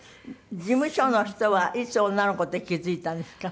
事務所の人はいつ女の子って気付いたんですか？